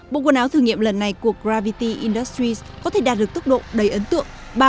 bộ quần áo thử nghiệm lần này của grabity industries có thể đạt được tốc độ đầy ấn tượng